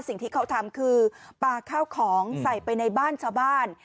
สิ่งที่เขาทำคือปลาข้าวของใส่ไปในบ้านชาวบ้าน